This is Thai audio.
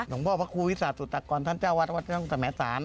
หลวงพ่อพระครูวิศาสตุตากรท่านเจ้าวัดวัดช่องสมสาร